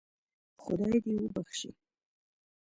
خدای دې وبخشي.